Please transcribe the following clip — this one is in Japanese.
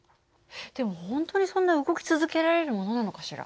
でも本当にそんな動き続けられるものなのかしら。